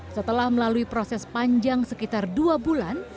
setelah melalui proses panjang sekitar dua bulan